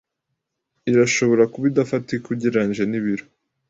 irashobora kuba idafatika ugereranije nibiro